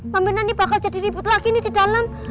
pameran ini bakal jadi ribut lagi nih di dalam